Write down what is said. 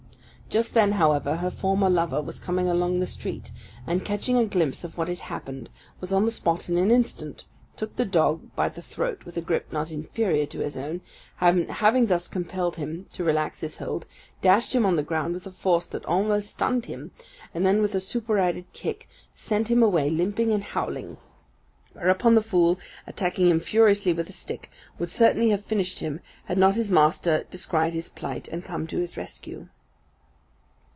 Just then, however, her former lover was coming along the street, and, catching a glimpse of what had happened, was on the spot in an instant, took the dog by the throat with a gripe not inferior to his own, and having thus compelled him to relax his hold, dashed him on the ground with a force that almost stunned him, and then with a superadded kick sent him away limping and howling; whereupon the fool, attacking him furiously with a stick, would certainly have finished him, had not his master descried his plight and come to his rescue.